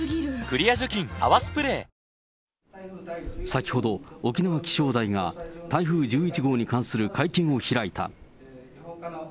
先ほど、沖縄気象台が、台風１１号に関する会見を開いた。